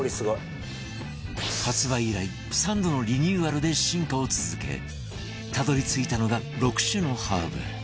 発売以来３度のリニューアルで進化を続けたどり着いたのが６種のハーブ